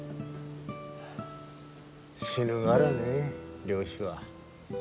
死ぬがらね漁師は。